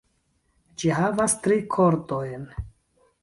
Ĝi havas tri kordojn.